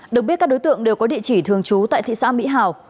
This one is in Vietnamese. được biết các đối tượng đều có địa chỉ thường trú tại thị xã mỹ hảo